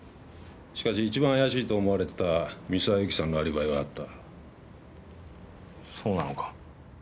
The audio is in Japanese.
しかし一番怪しいと思われてた三沢友紀さんのアリバイはあったそうなのか